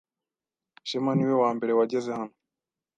Shema niwe wambere wageze hano.